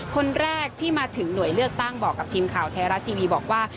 คนแรกที่มาถึงหน่วยเลือกตั้งบอกกับทีมข่าวไทยรัฐทีวีบอกว่า